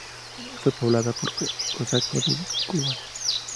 Fue poblada por cosacos del Kubán.